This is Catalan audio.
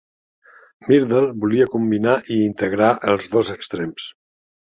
Myrdal volia combinar i integrar els dos extrems.